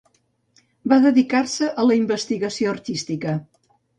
Va dedicar-se a la investigació artística.